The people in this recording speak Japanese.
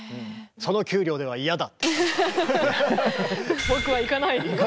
「その給料では嫌だ」。